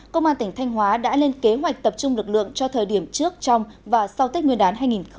công an tỉnh thanh hóa đã lên kế hoạch tập trung lực lượng cho thời điểm trước trong và sau tết nguyên đán hai nghìn hai mươi